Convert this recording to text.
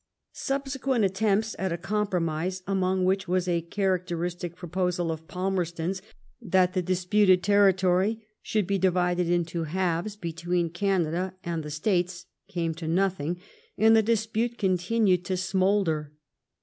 Subsequent attempts at a compromise, among which was a characteristic proposal of Palmerston's that the disputed territory should be divided into halves between Canada and the States^ came to nothing; and the dispute continued to smoulder.